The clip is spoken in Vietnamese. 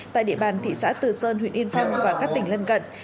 tại địa bàn thị xã từ sơn huyện yên phong và các tỉnh lân cận